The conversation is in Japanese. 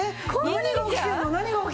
何が起きてんの？